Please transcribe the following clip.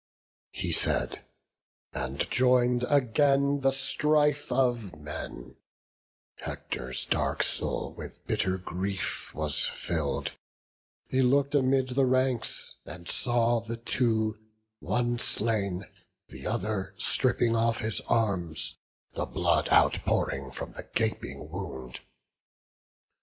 He said, and join'd again the strife of men: Hector's dark soul with bitter grief was fill'd; He look'd amid the ranks, and saw the two, One slain, the other stripping off his arms, The blood outpouring from the gaping wound.